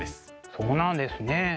そうなんですね。